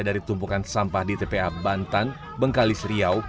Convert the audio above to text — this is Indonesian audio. dari tumpukan sampah di tpa bantan bengkalis riau